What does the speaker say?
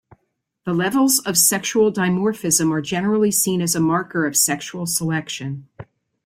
The levels of sexual dimorphism are generally seen as a marker of sexual selection.